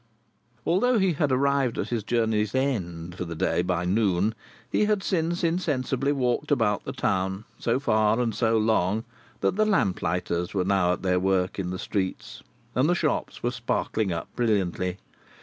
Although he had arrived at his journey's end for the day by noon, he had since insensibly walked about the town so far and so long that the lamplighters were now at their work in the streets, and the shops were sparkling up brilliantly.